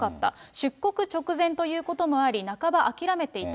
出国直前ということもあり、半ば諦めていた。